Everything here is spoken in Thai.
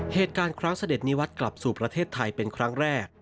เหตุการณ์ครั้งเสด็จนิวัตรกลับสู่ประเทศไทยเป็นครั้งแรก